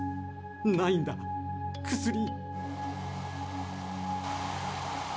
ないんだ薬。